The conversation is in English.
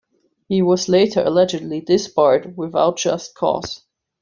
He was later allegedly disbarred without just cause.